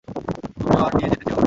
তুমিও আর নিয়ে যেতে চেয়ো না।